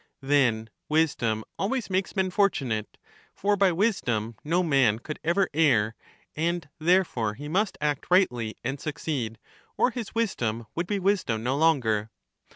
Then wisdom always makes men fortunate : for by wisdom no man could ever err, and therefore he must act rightly and succeed, or his wisdom would be wis dom no longer.